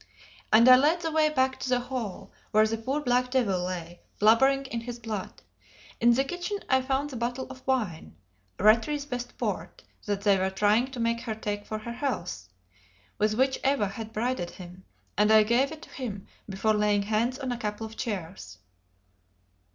And I led the way back to the hall, where the poor black devil lay blubbering in his blood. In the kitchen I found the bottle of wine (Rattray's best port, that they were trying to make her take for her health) with which Eva had bribed him, and I gave it to him before laying hands on a couple of chairs.